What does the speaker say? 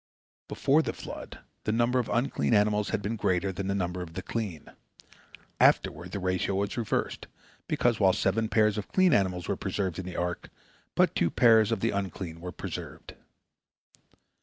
Before the flood the number of unclean animals had been greater than the number of the clean. Afterward the ratio was reversed, because while seven pairs of clean animals were preserved in the ark, but two pairs of the unclean were preserved.